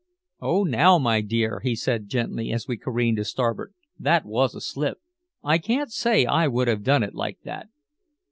"Oh, now, my dear," he said gently, as we careened to starboard, "that was a slip. I can't say I would have done it like that."